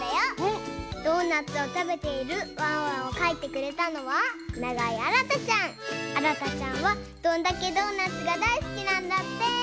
ドーナツをたべているワンワンをかいてくれたのはあらたちゃんは「どんだけドーナツ！？」がだいすきなんだって！